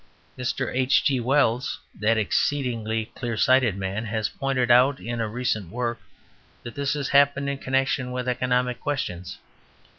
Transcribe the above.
Mr. H.G. Wells, that exceedingly clear sighted man, has pointed out in a recent work that this has happened in connection with economic questions.